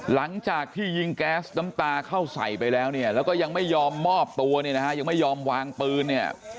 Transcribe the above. หลังจากที่ยิงแก๊สน้ำตาเข้าใส่ไปแล้วแล้วก็ยังไม่ยอมมอบตัวยังไม่ยอมวางปืน